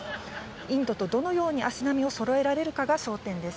インドとどのように足並みをそろえられるかが焦点です。